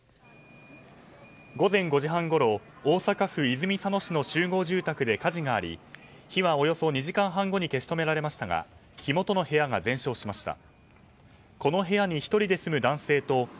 午前５時半ごろ大阪府泉佐野市の集合住宅で火事があり、火はおよそ２時間半後に消し止められましたが火元の部屋が全焼しました。